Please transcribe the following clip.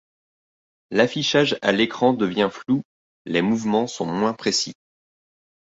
L'affichage à l'écran devient flou, les mouvements sont moins précis.